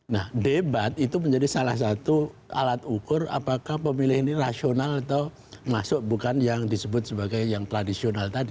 nah debat itu menjadi salah satu alat ukur apakah pemilih ini rasional atau masuk bukan yang disebut sebagai yang tradisional tadi